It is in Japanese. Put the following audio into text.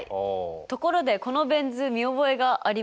ところでこのベン図見覚えがありませんか？